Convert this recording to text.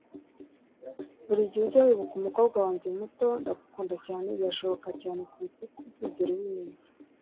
buri gihe ujye wibuka umukobwa wanjye muto, ndagukunda cyane- birashoboka cyane kuruta uko uzigera ubimenya